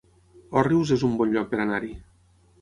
Òrrius es un bon lloc per anar-hi